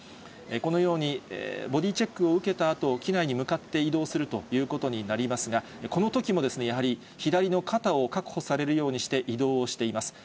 このようにボディチェックを受けたあとに機内に向かって移動するということになりますが、このときも、やはり左の肩を確保されるようにして移動をしています。